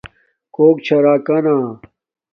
کوک چھا راکانا